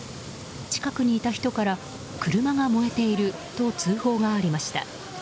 近くにいた人から、車が燃えていると通報がありました。